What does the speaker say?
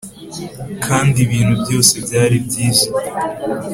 kandi ibintu byose byari byiza